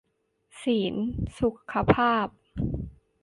ศีลสุขภาพ